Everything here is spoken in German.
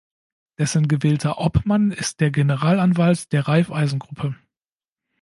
Dessen gewählter Obmann ist der Generalanwalt der Raiffeisen-Gruppe.